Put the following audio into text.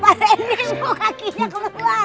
kek kakinya keluar